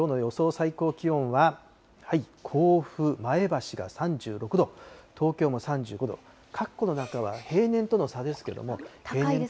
最高気温は、甲府、前橋が３６度、東京も３５度、かっこの中は平年との差ですけれども。